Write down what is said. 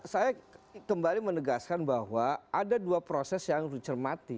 saya kembali menegaskan bahwa ada dua proses yang harus dicermati